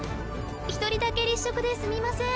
一人だけ立食ですみません。